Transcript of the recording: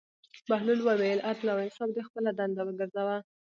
بهلول وویل: عدل او انصاف دې خپله دنده وګرځوه.